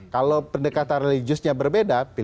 kalau pendekatan religiusnya berbeda